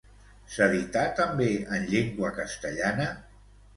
S'edità també en llengua castellana?